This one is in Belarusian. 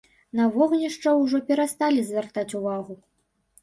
На вогнішча ўжо перасталі звяртаць увагу.